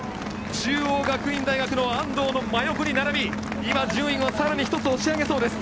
中央学院の安藤の真横に並び順位を１つ押し上げそうです。